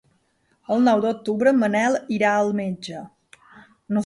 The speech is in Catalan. El nou d'octubre en Manel irà al metge.